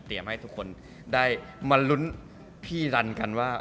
ให้ทุกคนได้มาลุ้นพี่รันกันว่า